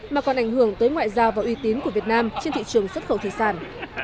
mà còn ảnh hưởng tới ngoại giao và uy tín của việt nam trên thị trường xuất khẩu thủy sản